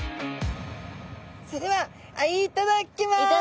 それではいただきます！